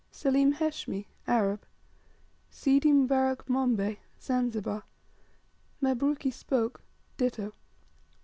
2. Selim Heshmy, Arab. 3. Seedy Mbarak Mombay, Zanzibar. 4. Mabruki Spoke, ditto.